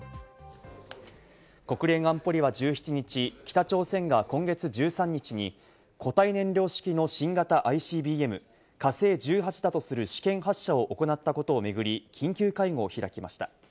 国連安保理は１７日、北朝鮮が今月１３日に、固体燃料式の新型ＩＣＢＭ「火星１８」だとする試験発射を行ったことをめぐり緊急会合を開きました。